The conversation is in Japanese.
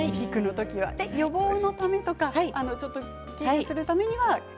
予防のためとか軽減するためには。